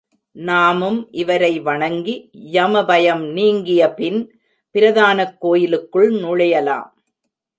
நாமும் இவரை வணங்கி யமபயம் நீங்கியபின், பிரதானக் கோயிலுக்குள் நுழையலாம்.